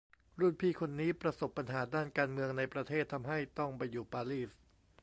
รุ่นพี่คนนี้ประสบปัญหาด้านการเมืองในประเทศทำให้ต้องไปอยู่ปารีส